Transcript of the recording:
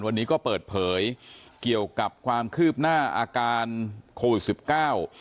วันนี้ก็เปิดเผยเกี่ยวกับความคืบหน้าอาการโควิดสิบเก้า